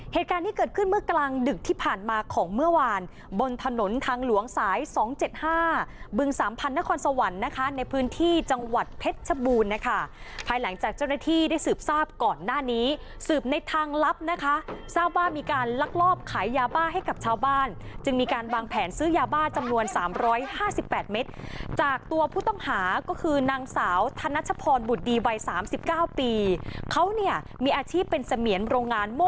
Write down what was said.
เหตุการณ์ที่เกิดขึ้นเมื่อกลางดึกที่ผ่านมาของเมื่อวานบนถนนทางหลวงสายสองเจ็ดห้าบึงสามพันธนครสวรรค์นะคะในพื้นที่จังหวัดเพชรชบูรณ์ค่ะภายหลังจากเจ้าหน้าที่ได้สืบทราบก่อนหน้านี้สืบในทางลับนะคะทราบว่ามีการลักลอบขายยาบ้าให้กับชาวบ้านจึงมีการบางแผนซื้อยาบ้าจำนวนสามร้อยห้าส